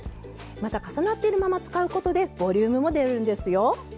また重なっているまま使うことでボリュームも出るんですよ。